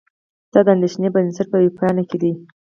دا د اندېښې بنسټ په وېبپاڼه کې دي.